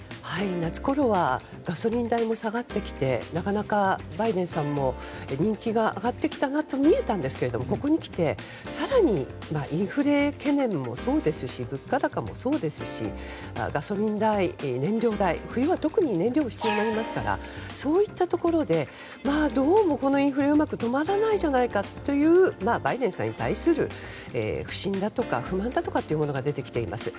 夏ごろはガソリン代も下がってきてなかなかバイデンさんも人気が上がってきたなというのが見えたんですが、ここにきて更にインフレ懸念もそうですし物価高もそうですしガソリン代、燃料代冬は特に燃料が必要になりますからそういったところでどうもこのインフレがうまく止まらないじゃないかというバイデンさんに対する不信だとか不満だとかが出てきています。